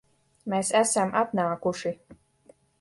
Mēs esam atnākuši